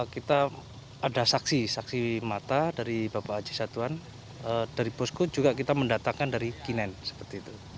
kita ada saksi saksi mata dari bapak haji satuan dari posko juga kita mendatangkan dari kinen seperti itu